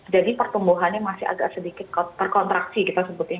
jadi pertumbuhannya masih agak sedikit terkontraksi kita sebutnya